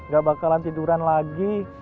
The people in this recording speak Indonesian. gak bakalan tiduran lagi